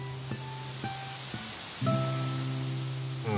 うん。